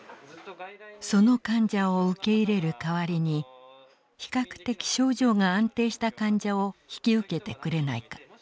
その患者を受け入れる代わりに比較的症状が安定した患者を引き受けてくれないか。